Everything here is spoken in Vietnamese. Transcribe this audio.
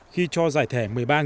khi cho giải thẻ một lần